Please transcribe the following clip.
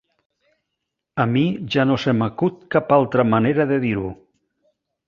A mi ja no se m'acut cap altra manera de dir-ho.